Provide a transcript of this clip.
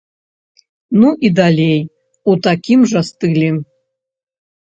Ну і далей у такім жа стылі.